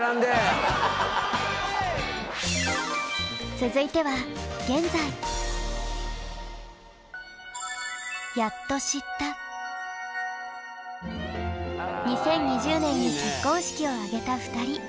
続いては２０２０年に結婚式を挙げた２人。